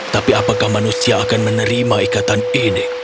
tapi apakah manusia akan menerima ikatan ide